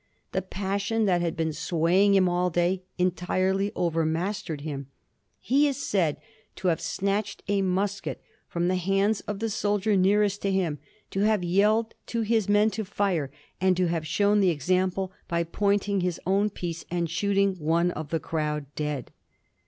The passion that had been swaying him all day entirely overmastered him. He is said to have snatched a musket from the hands of the soldier nearest to him, to have yelled to his men to fire, and to have shown the example by pointing his own piece and shooting one of the crowd dead.